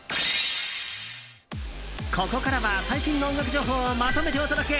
ここからは最新の音楽情報をまとめてお届け。